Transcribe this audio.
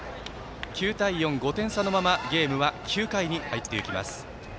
９対４、５点差のままゲームは９回に入っていきます。